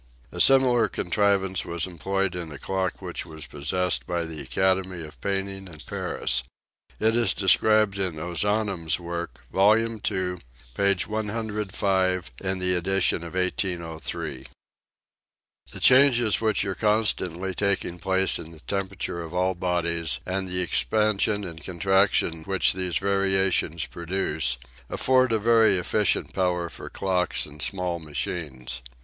A similar contrivance was employed in a clock which was possessed by the Academy of Painting at Paris. It is described in Ozanam's work, Vol. II, page 105, of the edition of 1803. PERPETUAL MOTION 39 The changes which are constantly taking place in the temperature of all bodies, and the expansion and contrac tion which these variations produce, afford a very efficient power for clocks and small machines.